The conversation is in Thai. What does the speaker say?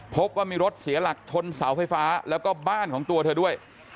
พบว่ามีรถเสียหลักชนเสาไฟฟ้าแล้วก็บ้านของตัวเธอด้วย